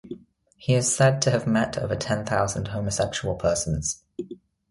He is said to have met over ten thousand homosexual persons.